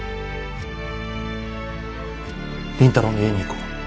倫太郎の家に行こう。